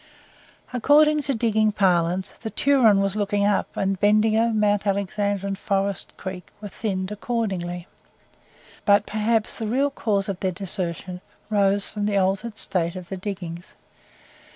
According to digging parlance, "the Turon was looking up," and Bendigo, Mount Alexander, and Forest Creek were thinned accordingly. But perhaps the real cause of their desertion arose from the altered state of the diggings.